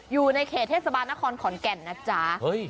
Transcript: อยู่ในเขตเทศบาลนครขอนแก่นนะจ๊ะ